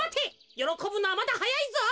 よろこぶのはまだはやいぞ！